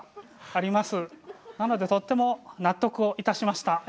なのでとっても納得をいたしました。